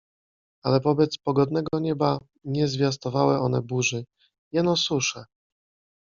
Ale wobec pogodnego nieba nie zwiastowały one burzy, jeno suszę.